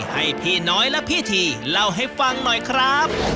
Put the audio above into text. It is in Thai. ให้พี่น้อยและพี่ทีเล่าให้ฟังหน่อยครับ